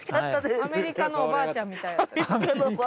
アメリカのおばあちゃん。